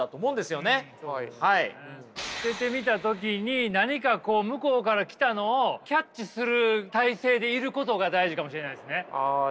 捨ててみた時に何かこう向こうから来たのをキャッチする体勢でいることが大事かもしれないですね。